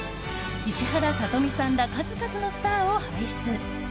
石原さとみさんら数々のスターを輩出。